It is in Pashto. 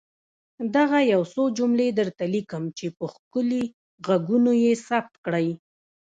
دغه يو څو جملې درته ليکم چي په ښکلي ږغونو يې ثبت کړئ.